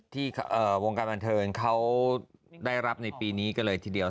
ที่วงการบันเทิงเขาได้รับในปีนี้ก็เลยทีเดียว